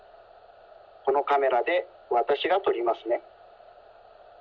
このカメラでわたしがとりますね。